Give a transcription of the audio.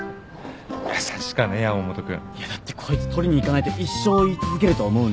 優しかね山本君。いやだってこいつ取りに行かないと一生言い続けると思うんで。